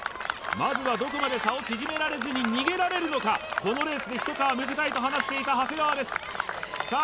まずはどこまで差を縮められずに逃げられるのかこのレースで一皮むけたいと話していた長谷川ですさあ